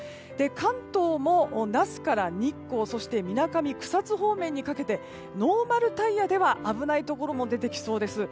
関東も那須から日光そしてみなかみ、草津方面にかけノーマルタイヤでは危ないところも出てきそうです。